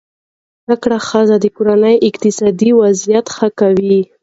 زده کړه ښځه د کورنۍ اقتصادي وضعیت ښه کوي.